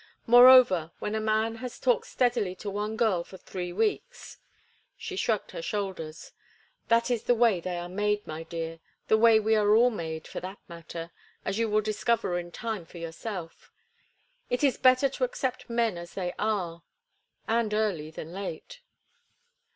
Moreover, when a man has talked steadily to one girl for three weeks"—she shrugged her shoulders—"that is the way they are made, my dear, the way we are all made, for that matter, as you will discover in time for yourself. It is better to accept men as they are, and early than late."